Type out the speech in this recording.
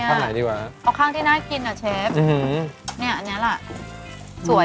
เอาข้างไหนดีกว่าเอาข้างที่น่ากินอะเชฟอือฮืมนี่อันเนี้ยแหละสวยอ่ะ